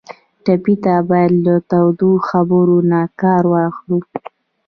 ټپي ته باید له تودو خبرو نه کار واخلو.